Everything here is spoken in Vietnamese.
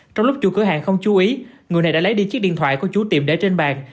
trong lúc chủ cửa hàng không chú ý người này đã lấy đi chiếc điện thoại của chú tiệm để trên bàn